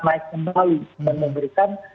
naik kembali memberikan